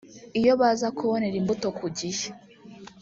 iyo baza kubonera imbuto ku gihe